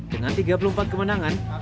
dengan tiga puluh empat kemenangan